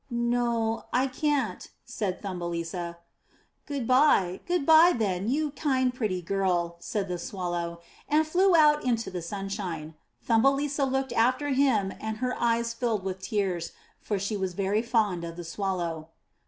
''No, I can't/' said Thumbelisa. *'Good bye, good bye then, you kind, pretty girl,'' said the Swallow, and flew out into the sunshine. Thumbelisa looked after him and her eyes filled with tears, for she was very fond of the Swallow.